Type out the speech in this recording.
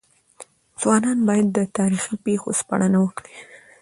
ځوانان بايد د تاريخي پېښو سپړنه وکړي.